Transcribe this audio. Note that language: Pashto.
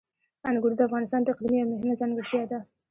انګور د افغانستان د اقلیم یوه مهمه ځانګړتیا ده.